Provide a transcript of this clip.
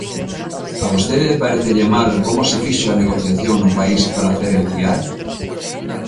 ¿A vostede parécelle mal como se fixo a negociación no País Pracerenciá?